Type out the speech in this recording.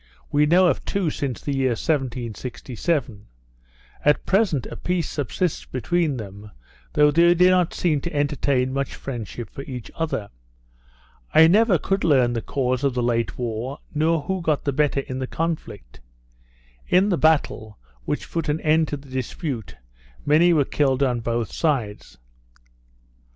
We know of two since the year 1767; at present a peace subsists between them, though they do not seem to entertain much friendship for each other. I never could learn the cause of the late war, nor who got the better in the conflict. In the battle, which put an end to the dispute, many were killed on both sides.